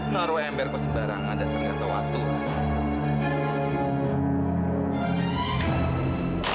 naruh ember kau sebarang ada sergat atau atur